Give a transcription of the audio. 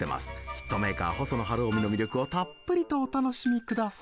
ヒットメーカー細野晴臣の魅力をたっぷりとお楽しみください。